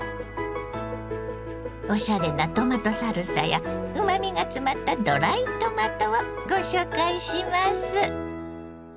おしゃれなトマトサルサやうまみが詰まったドライトマトをご紹介します。